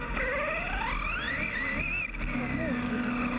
ここも大きいとこですか。